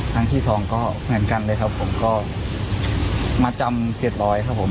ครั้งที่สองก็เหมือนกันเลยครับผมก็มาจำเจ็ดร้อยครับผม